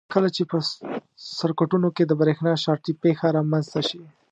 کله چې په سرکټونو کې د برېښنا شارټۍ پېښه رامنځته شي.